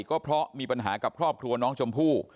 ก็เพราะมีปัญหากับครอบครัวน้องชมพู่